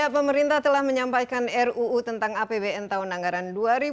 pemerintah telah menyampaikan ruu tentang apbn tahun anggaran dua ribu dua puluh